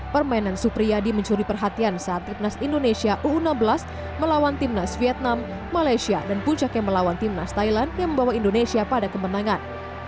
permainan supriyadi mencuri perhatian saat timnas indonesia u enam belas melawan timnas vietnam malaysia dan puncaknya melawan timnas thailand yang membawa indonesia pada kemenangan